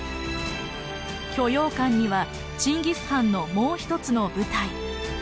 居庸関にはチンギス・ハンのもう一つの部隊。